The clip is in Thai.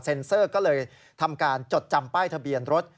เซอร์ก็เลยทำการจดจำป้ายทะเบียนรถ